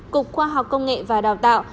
cục khoa học công nghệ và đào tạo